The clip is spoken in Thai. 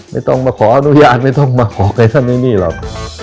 ไม่ต้องมาขออนุญาตไม่ต้องมาขอกับท่านไอ้นี่หรอก